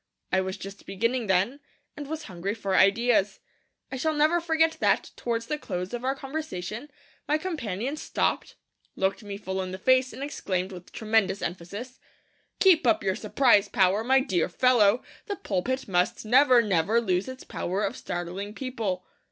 I was just beginning then, and was hungry for ideas. I shall never forget that, towards the close of our conversation, my companion stopped, looked me full in the face, and exclaimed with tremendous emphasis, 'Keep up your surprise power, my dear fellow; the pulpit must never, never lose its power of startling people!'